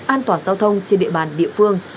an toàn giao thông trên địa bàn địa phương